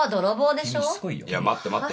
いや待って待って。